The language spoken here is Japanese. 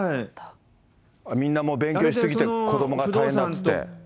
みんなもう、勉強し過ぎて子どもが大変だっていって。